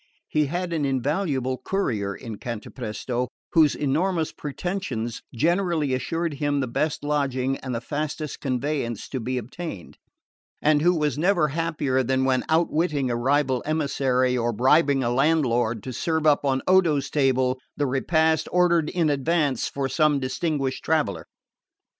He had an invaluable courier in Cantapresto, whose enormous pretensions generally assured him the best lodging and the fastest conveyance to be obtained, and who was never happier than when outwitting a rival emissary, or bribing a landlord to serve up on Odo's table the repast ordered in advance for some distinguished traveller.